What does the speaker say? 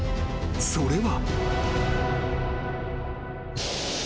［それは］